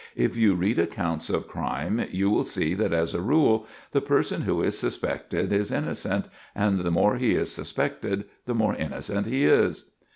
If you read accounts of crime, you will see that, as a rule, the person who is suspected is innocent; and the more he is suspected, the more innocent he is."